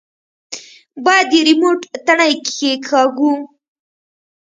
بايد د ريموټ تڼۍ کښېکاږو.